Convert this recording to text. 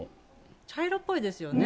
茶色っぽいですよね。